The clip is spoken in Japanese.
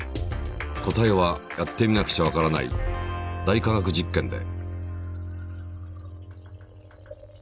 答えはやってみなくちゃわからない「大科学実験」で。